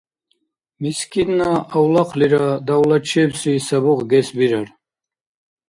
Мискинна авлахълира давлачебси сабухъ гес бирар.